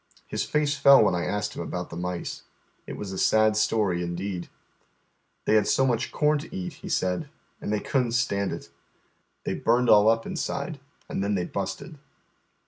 His face fell when I asked him about the mice. It was a sad story, indeed. " Tliey liad so iniicli corn to eat," he said, "and tliey couldn't stand it. They burned all up inside, and then they busted."